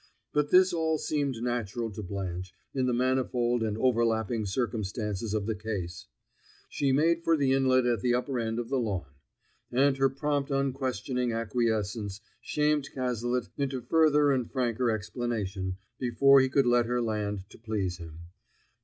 But this all seemed natural to Blanche, in the manifold and overlapping circumstances of the case. She made for the inlet at the upper end of the lawn. And her prompt unquestioning acquiescence shamed Cazalet into further and franker explanation, before he could let her land to please him.